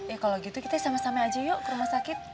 ya kalau gitu kita sama sama aja yuk ke rumah sakit